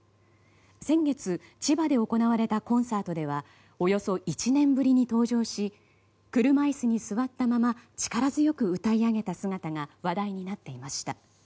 先月、千葉で行われたコンサートではおよそ１年ぶりに登場し車椅子に座ったまま力強く歌い上げた姿が話題になっていました。